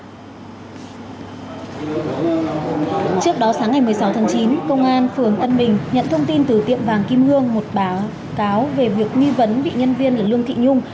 trước đó sáng ngày một mươi sáu tháng chín công an phường tân bình nhận thông tin từ tiệm vàng kim hương một báo cáo về việc nghi vấn bị nhân viên là lương thị nhung